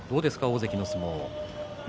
大関の相撲。